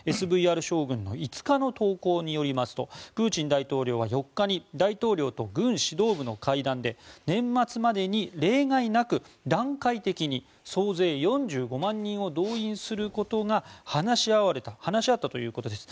ＳＶＲ将軍の５日の投稿によりますとプーチン大統領は４日に大統領と軍指導部の会談で年末までに例外なく、段階的に総勢４５万人を動員することが話し合われた話し合ったということです。